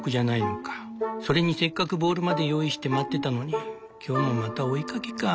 それにせっかくボールまで用意して待ってたのに今日もまたお絵描きかぁ」。